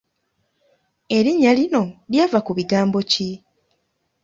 Erinnya lino lyava ku bigambo ki?